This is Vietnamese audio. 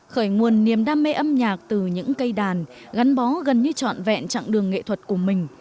khởi nguồn niềm đam mê âm nhạc từ những cây đàn gắn bó gần như trọn vẹn chặng đường nghệ thuật của mình